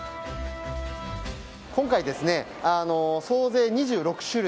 今回、総勢２６種類。